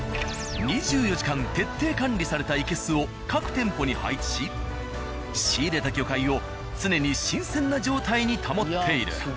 ２４時間徹底管理された生簀を各店舗に配置し仕入れた魚介を常に新鮮な状態に保っている。